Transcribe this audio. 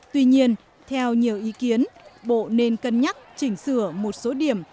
tuy nhiên theo nhiều ý kiến bộ nên cân nhắc chỉnh sửa một số điểm